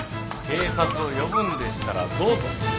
警察を呼ぶんでしたらどうぞ。